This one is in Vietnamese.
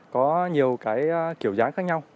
có nhiều kiểu dáng khác nhau